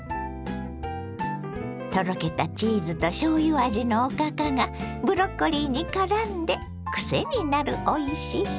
とろけたチーズとしょうゆ味のおかかがブロッコリーにからんでクセになるおいしさ！